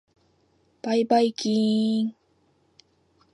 ばいばいきーーーん。